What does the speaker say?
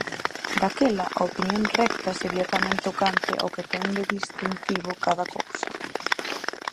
Daquela a opinión recta sería tamén tocante ao que ten de distintivo cada cousa.